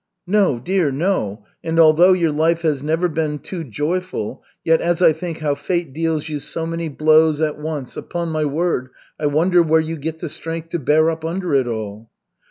"No, dear, no. And although your life has never been too joyful, yet as I think how Fate deals you so many blows at once, upon my word, I wonder where you get the strength to bear up under it all."